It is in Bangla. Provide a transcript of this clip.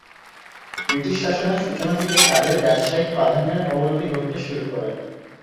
ব্রিটিশ শাসনের সূচনা থেকে তাদের ব্যবসায়িক প্রাধান্যের অবনতি ঘটতে শুরু করে।